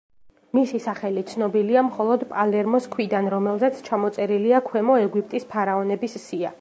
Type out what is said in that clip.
მისი სახელი ცნობილია მხოლოდ პალერმოს ქვიდან, რომელზეც ჩამოწერილია ქვემო ეგვიპტის ფარაონების სია.